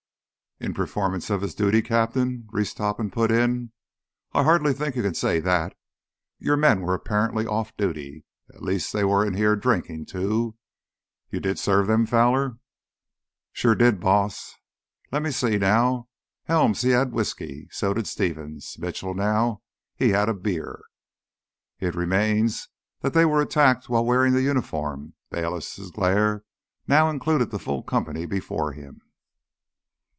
"In performance of his duty, Captain?" Reese Topham cut in. "I hardly think you can say that. Your men were apparently off duty. At least they were in here, drinking, too. You did serve them, Fowler?" "Sure did, boss! Let's see now ... Helms, he had whisky; so did Stevens. Mitchell, now, he had a beer——" "It remains that they were attacked while wearing the uniform!" Bayliss' glare now included the full company before him.